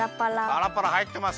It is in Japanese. パラパラはいってます。